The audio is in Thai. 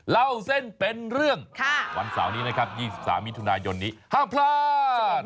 เล่าเส้นเป็นเรื่องวันเสาร์นี้นะครับ๒๓มิถุนายนนี้ห้ามพลาด